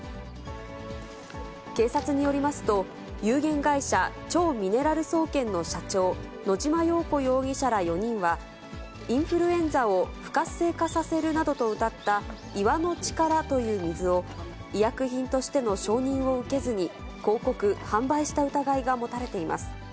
警察によりますと、有限会社超ミネラル総研の社長、野島洋子容疑者ら４人は、インフルエンザを不活性化させるなどとうたった岩の力という水を、医薬品としての承認を受けずに広告・販売した疑いが持たれています。